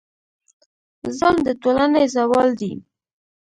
ظلم د ټولنې زوال دی.